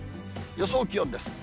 予想気温です。